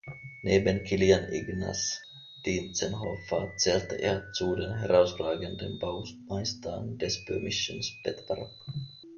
Neben Kilian Ignaz Dientzenhofer zählte er zu den herausragenden Baumeistern des böhmischen Spätbarock.